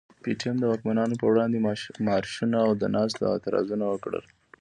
پي ټي ايم د واکمنو پر وړاندي مارشونه او د ناستو اعتراضونه وکړل.